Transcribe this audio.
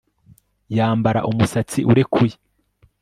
Yambara umusatsi urekuye